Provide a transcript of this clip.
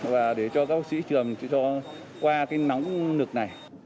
và để cho các bác sĩ trường cho qua cái nóng nực này